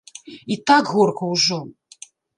І так горка ўжо!